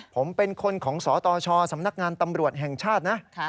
ผมเป็นคนของสตชสำนักงานตำรวจแห่งชาตินะ